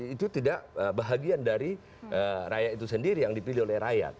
itu tidak bahagian dari rakyat itu sendiri yang dipilih oleh rakyat